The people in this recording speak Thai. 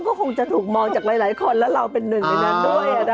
ก็คงจะถูกมองจากหลายคนแล้วเราเป็นหนึ่งในนั้นด้วย